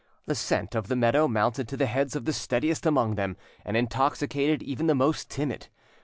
The scent of the meadows mounted to the heads of the steadiest among them, and intoxicated even the most timid.